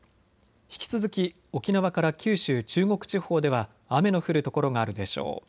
引き続き沖縄から九州、中国地方では雨の降る所があるでしょう。